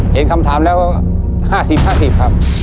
เห็นคำถามแล้ว๕๐๕๐ครับ